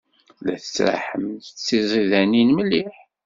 La tettraḥemt d tiẓinanin mliḥ.